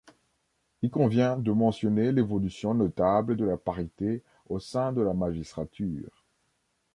Il convient de mentionner l'évolution notable de la parité au sein de la magistrature.